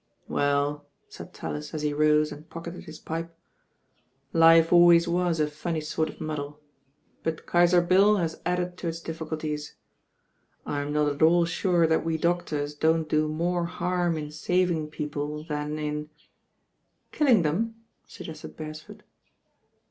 ^• "^frV *f '^^*"'^«'°»« and pocketed his £P*' n.^.r'^^y* ^" a funny sort of muddle; but Kaiser Bill has added to its difficulties. I'm not at all sure that we doctors don't do more harm In saving people than in " ''Killing them," suggested Beresford.